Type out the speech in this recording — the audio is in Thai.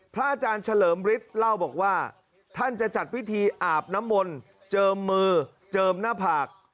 อาจารย์เฉลิมฤทธิ์เล่าบอกว่าท่านจะจัดพิธีอาบน้ำมนต์เจิมมือเจิมหน้าผาก